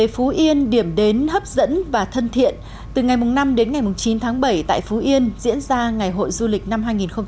phú yên điểm đến hấp dẫn và thân thiện từ ngày năm đến ngày chín tháng bảy tại phú yên diễn ra ngày hội du lịch năm hai nghìn một mươi chín